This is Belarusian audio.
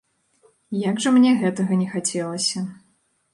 Як жа мне гэтага не хацелася.